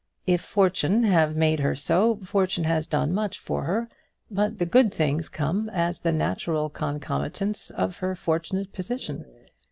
If fortune have made her so, fortune has done much for her. But the good things come as the natural concomitants of her fortunate position.